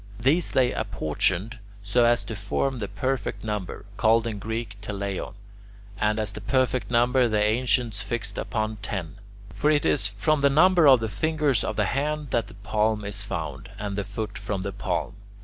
These they apportioned so as to form the "perfect number," called in Greek [Greek: teleion], and as the perfect number the ancients fixed upon ten. For it is from the number of the fingers of the hand that the palm is found, and the foot from the palm.